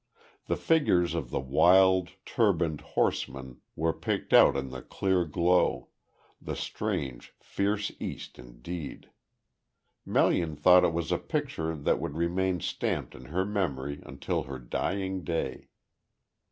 The figures of the wild, turbaned horsemen were picked out in the clear glow the strange, fierce East indeed. Melian thought it was a picture that would remain stamped in her memory until her dying day.